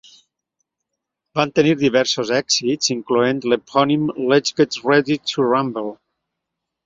Van tenir diversos èxits, incloent l'epònim Let's Get Ready to Rhumble.